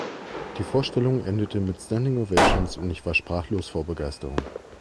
Die Vorstellung endete mit Standing Ovations und ich war sprachlos vor Begeisterung.